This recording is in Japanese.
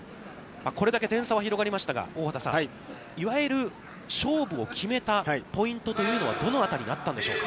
これだけ点差は広がりましたが、大畑さん、いわゆる勝負を決めたポイントというのはどの辺りにあったんでしょうか。